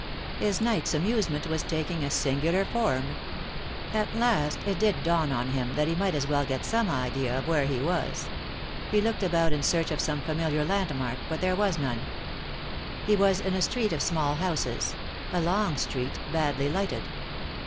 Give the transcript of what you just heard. His night's amusement was taking a singular form. At last it did dawn upon him that he might as well get some idea of where he was. He looked about in search of some familiar landmark, but there was none. He was in a street of small houses ; a long street, badly lighted.